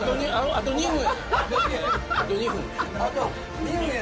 あと２分やで？